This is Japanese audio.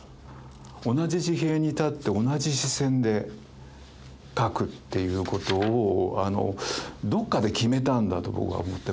同じ地平に立って同じ視線で描くっていうことをどっかで決めたんだと僕は思ってますけどね。